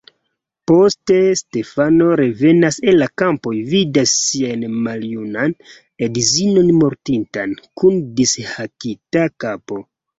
Poste Stefano revenas el la kampoj, vidas sian maljunan edzinon mortintan, kun dishakita kapo.